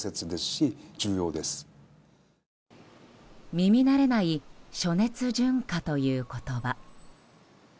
耳慣れない暑熱順化という言葉。